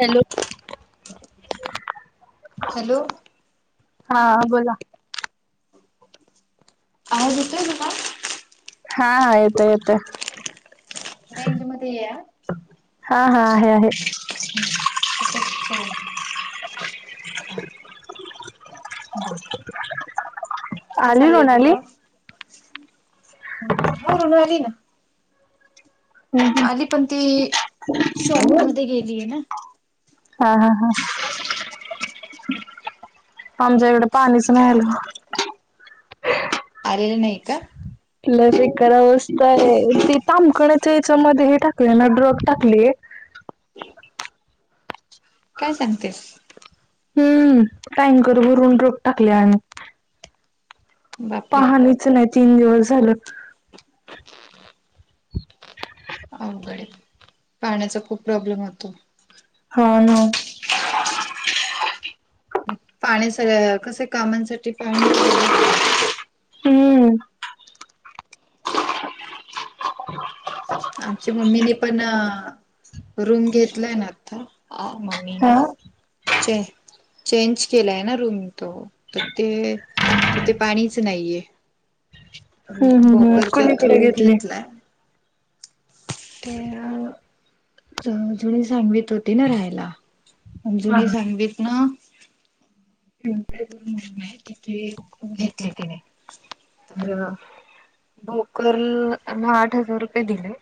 Hello. Hello. हा बोला. आवाज येतोय काय? हा हा येतोय येतोय [unintelligible] हा हा आहे आहे. [unintelligible] बर काय आली चाललंय लोणाली तुझं? [unintelligible] आली पण ती शॉपमध्येध्ये गेलीय ना. हा हा हा. आमच्या हिकड पाणीच नाही काय आल. आलेल नाही का? [unintelligible] काय सांगतेस. [unintelligible] बापरे पाहणीच नाही तीन दिवस झालं. अवघड आहे पाण्याचा खूप प्रॉब्लेम होतो. हो ना. पाण्या सगळ कस कामांसाठी पाणी हवं ना. हम्म. [unintelligible] आमच्या मम्मीने पण रूम घेतलाय ना आता. हा हा मम्मीने चे चेंज केलाय ना रूम. त तर ते तिथे पाणीच नाहीये. हम् हम् हम बोकरच्या थ्रू कुणिकडे घेतलेय. घेतलाय ते जुनी सांगलीतत होती ना राहायला. हा जुनी सांगलीत न. म्हणून कि घेतले तिने. [unintelligible] तर भोकर ना आठ हजार रुपये दिले.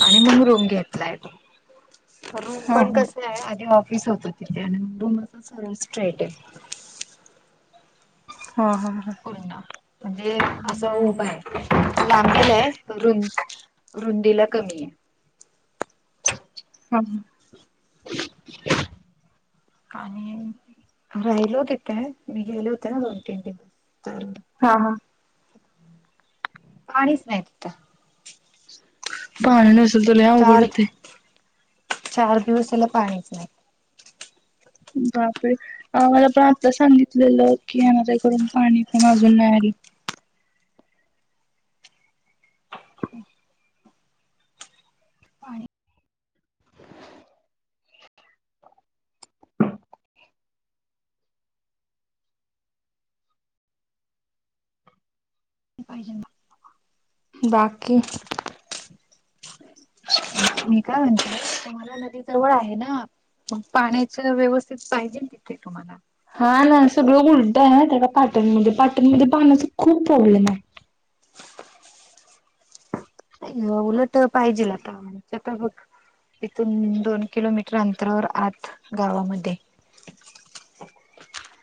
आणि मग रूम घेतलाय तो. रूम हा पण हा कसे आहे आधी ऑफिस होत तिथे आणि रूम अस सर्व स्ट्रेट आहे. हा हा ह. म्हणजे असं उभ आहे लांबीला आहे. रुंदीला कमी आहे. हां. [unintelligible] आणि राहिलो तिथे मी गेले होते ना दोन तीन दिवस तर. हा हा. पाणीच नाही तिथ. पाणी नसल तर लई अवघड होते. चार दिवस झाला पाणीच नाही. बापरे आम्हाला पण आत्ता सांगितलेलं की येणार करून पाणी पण अजून नाहील. पाणी पाहिज. [unintelligible] बाकी. मी काय म्हणते तुम्हाला नदी जवळ आहे ना. पाण्याच व्यवस्थित पाहिजे तिथे तुम्हाला. हा ना सगळं उलटं आहे ना त्या पाटणमध्ये पाटणमध्ये पाण्याचा खूप प्रॉब्लेम आहे. उलट पाहिजेल आता बघ. तिथून दोन किलोमीटर अंतरावर आत गावामध्ये.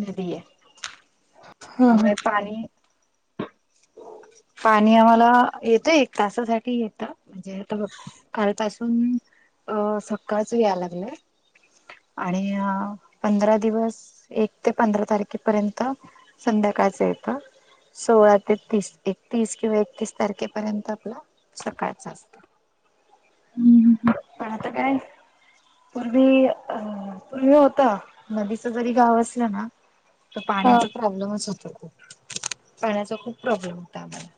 नदी आहे. हा हा. त्यामुळे पाणी. पाणी आम्हाला येतं एक तासासाठी येतं. म्हणजे आता बघ कालपासून अ सकाळच यायला लागलंय. आणि पंधरा दिवस एक ते पंधरा तारखेपर्यंत. संध्याकाळचं येत सोळा तेतीस एकतीस किंवा एकतीस तारखेपर्यंत आपला सकाळचा असतो. पण आता काय. पूर्वी पूर्वी होत नदीच जरी गाव असलं ना. तर हा पाण्याचा प्रॉब्लेमच होत पाण्याचा खूप प्रॉब्लेम होता आम्हाला.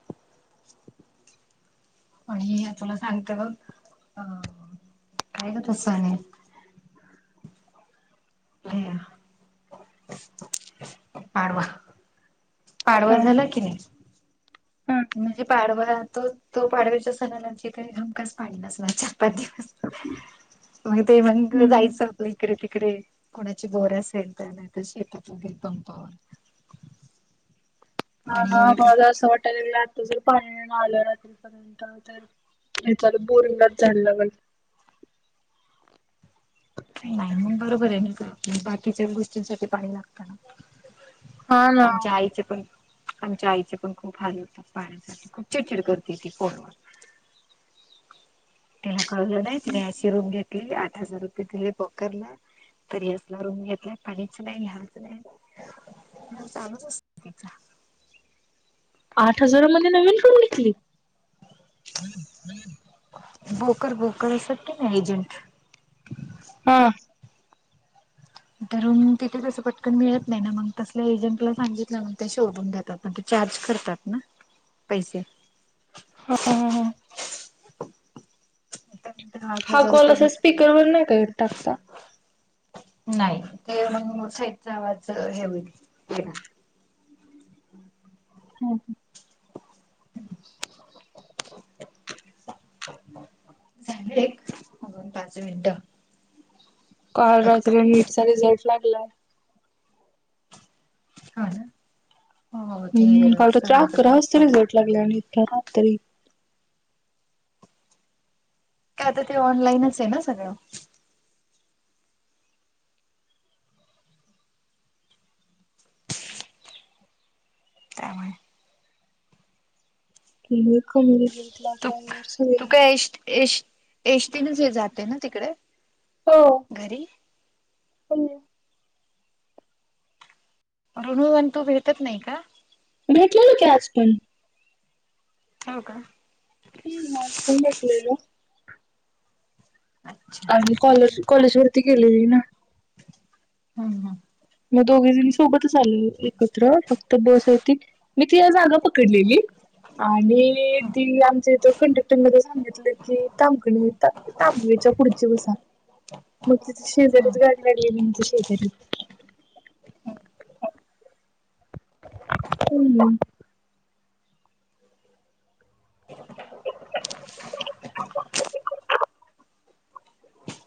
आणि तुला सांगत बग अ काय ग त सण. अ पाडवा. [unintelligible] पाडवा हा झालं की नाही. हा म्हणजे पाडवा तो. तो पाडवेच्या सणाला ची तरी धमकाच पाडलास ना चार पाच दिवस. मग ते मग जायचं. आप इकडे तिकडे कोणाची बोर असेल त्या नाही तर शेताते पंपावर. ह ना आणि मला अस वाटालय आता. जर पाणी आलं रात्रीपर्यंत तर हेचालं बोरिंगात झालं. नाही मग बरोबर आहे मग बाकीच्या गोष्टींसाठी पाणी लागत ना. हा ना आमच्या आईचे पण आमच्या आईचे पण खूप हाल होत. पाण्यासाठी खूप चिडचिड करते ती फोनवर. तिला कळलं नाही तिने अशी रूम घेतली आठ हजार रुपय. तिले पकरला तरी असला रूम घेतलाय पाणीच नाही घ्यायचं नाही. चालूच असते तिचा. आठ हजारामध्ये नवीन रूम निघली. बोकर बोकरसाठी ना एजंट हा तर तिथे तसं पटकन मिळत नाही ना मग तसल्या एजंटला सांगितलं मग ते शोधून देतात पण ते चार्ज करतात होय ना पैसे हा ह त्यानंतर आठ हा हजार कॉल रुपये असा घेतले स्पीकर वर नाही का येत टाकता नाही ते मग मोसाईचा आवाज हे होईल येणार हा [unintelligible] झालयं आजून पाच मिनिटं काल फक्त रात्री नीटचा रिझल्ट लागला हा ना हो तेर सरांच पण एक पाडलय लागल्याव आणि इतका रात तरी प्यात ते आता ते ऑनलाईनच आहे ना सगळं त्यामुळे [unintelligible] तु काय एश एश एष्टीनच हे जाते ना तिकडे हो घरी ऋणू आणि तू भेटत नाही का भेटलेला की आज पण हो का ह आजपण भेटलेल अच्छा आज मी कॉलेज कॉलेज वरती गेलेली ना हम् हम मग दोघे जण सोबतच आले एकत्र फक्त बस येतील मी तिजा जागा पकडलेली आणि ती आमच्या इथ कंडक्टर पण सांगितलं की थामखणी येतात तांबवेच्या पुढची बसा मग ति हम्म. शेजारीच गाडी आलेली मग शेजारी [unintelligible] हम्म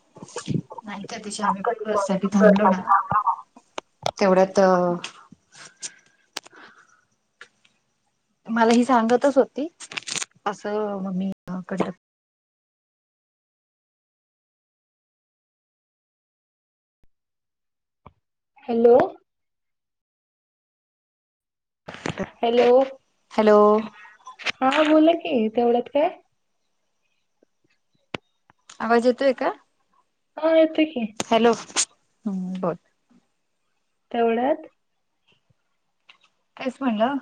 [unintelligible] नाही तर तिच्या आम्ही पण बससाठी थांबलो ना तेवढ्यात मला ही सांगतच होती असं मम्मी काय तर हॅलो हॅलो हॅलो हा बोला कि तेवढत काय आवाज येतोय का हो येतो की हॅलो हम् बर तेवढ्यात तेच म्हणलं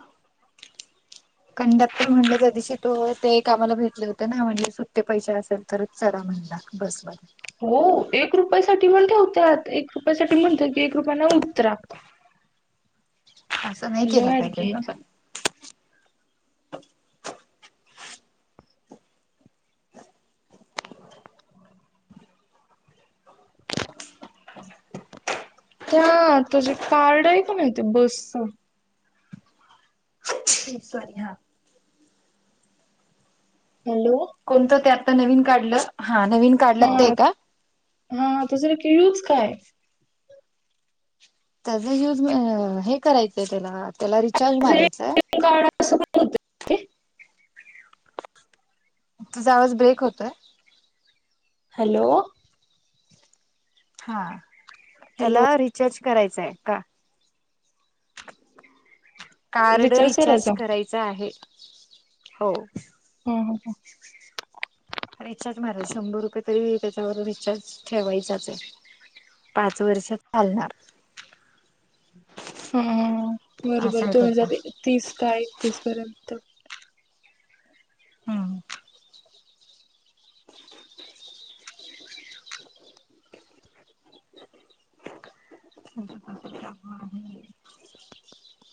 कंडक्टर म्हणलं त्या दिवशीशी तू ते कामला भेटले होते ना म्हणले सुट्टे पैसे असेल तरच चढा म्हणला बस मध्ये हो एक रुपयासाठी पण ठेवत्यात एक रुपयासाठी म्हणतेत की एक रुपया ना उतरा असं नाही लय केलं अडगी पाहिजेल ना आहेत पण आत्या तुझं कार्ड आहे का नाही ते बसच पण सॉरी हा हॅलो कोणतं ते आता नवीन काढलं हा नवीन काढलं हा ते का? हा तु जरा क्वीज काय? त्याजा युज हे करायचंय त्याला त्याला रिचार्ज मारायचंय. हे कार्ड असं का होत ते तुझा आवाज ब्रेक होतोय. हॅलो. हा हॅलो त्याला रिचार्ज करायचंय का? कार्ड रिचार्ज करायच आहे हो. हम्म हम्म हम्म. रिचार्ज मारायचा शंभर रुपये तरी त्याच्यावर रिचार्ज ठेवायचाच आहे. पाच वर्ष चालणार. हम्म असं बरोबर आहे दोन हजार त्याच तीस का एकतीस पर्यंत हम्म हा.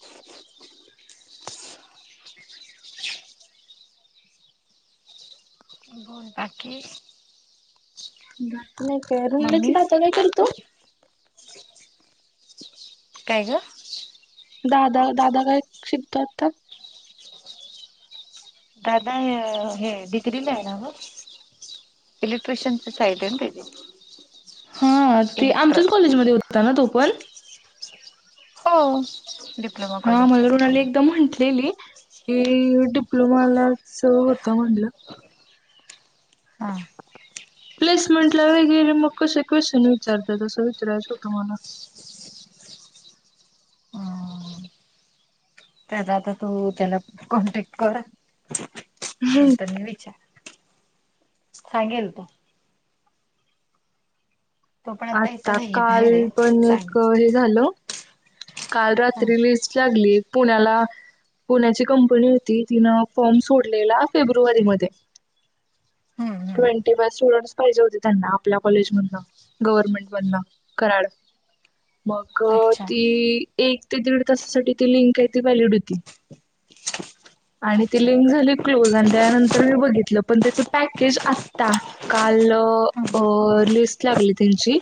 बोल बाकी बात नाही करून मम्मी आता काय करीतो. काय गं. दादा दादा काय शिकतोय आता दादा हे डिग्रीला आहे ना मग इलेक्ट्रिशनचं साईट आहे ना त्याजी हा ते आमच्याच कॉलेजमध्ये होता ना तो पण हो. डिप्लोमा हा कॉलेज मला मृणाली एकदा म्हटलेली. की डिप्लोमालाच होत म्हटलं. हा प्लेसमेंट ला वगैरे मग कसे क्वेश्चन विचारतात असं विचारायचं होतं मला हम्म त्याचा आता तू त्याला कॉन्टॅक्ट कर. नंतर मी विचार सांगेल तो तो पण आता इथं नाहीये बाहेर आहे सांग. झाल काल रात्री लिस्ट लागलीय पुण्याला पुण्याची कंपनी होती तिनं फॉर्म सोडलेला फेब्रुवारीमध्ये हम्म हम्म ट्वेंटी बाय स्टुडंट्स पाहिजे होते त्यांना आपल्या कॉलेजमधनं गव्हर्नमेंटमधन कराड. [inaudible] मग अच्छा ती एक ते दीड तासासाठी ती लिंक आहे ती व्हॅलिड होती. आणि ती अच्छा लिंक झाली क्लोज आणि त्यानंतर मी बघितलं पण त्याचं पॅकेज आत्ता काल अ हम्म लिस्ट लागली त्यांची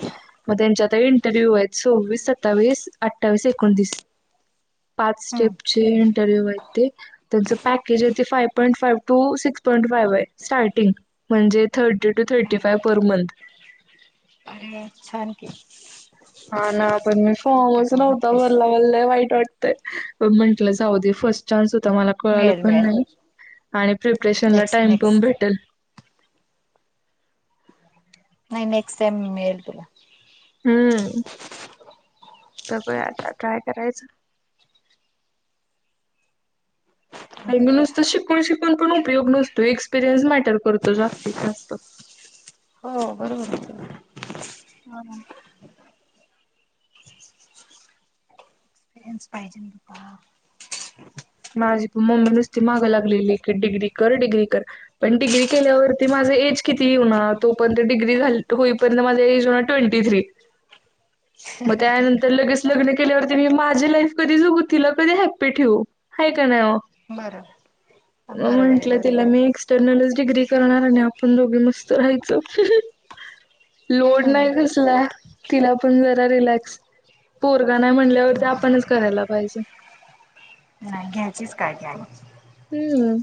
मग त्यांच्या आता इंटरव्ह्यू आहेत सव्वीस, सत्तावीस, अठ्ठावीस, एकोणतीस पाच हम्म स्टेपचे इंटरव्ह्यू आहेत ते त्यांचं पॅकेज आहे ते five point five to six point five आहे स्टार्टिंग म्हणजे thirty to thirty five per month अरे छान की हा ना पण मी थर्टी फॉर्मच टू नव्हता बत्तीस भरला मला लय वाईट वाट. म्हंटलं जाऊ दे फर्स्ट चान्स होता मला कळालं मिळेल पण मिळेल नाही आणि प्रिपरेशन ला नेक्स्ट टाइम पण नेक्स्ट भेटेल. नाही नेक्स्टटाईम मिळेल तुला हम्म सगळ आता ट्राय करायचं. काही नुसतं शिकून शिकून पण उपयोग नसतो एक्सपिरियन्स मॅटर करतो जास्तीत जास्त हो. बरोबर हम्म. पेरेंट्स पाहिजे ना आता माझी मम्मी नुसती मागं लागलेली की डिग्री कर डिग्री कर. पण डिग्री केल्यावरती माझं एज किती हो ना तोपर्यंत डिग्री झाली होईपर्यंत माझा एज हो ट्वेंटी थ्री [inaudible] मग त्यानंतर लगेच लग्न केल्यावरती मी माझी लाईफ कधी जागू तिला कधी हॅप्पी ठेवू हाय कनी ओ बरोबर बरोबर आहे बरोबर आहे जर्नलच डिग्री करणार आणि आपण दोघे मस्त राहायचं लोड हम्म नाही कसला तिला पण जरा रिलॅक्स पोरगा नाही म्हणल्यावरती आपणच करायला पाहिजे नाही घ्यायचीच काय घ्या हम्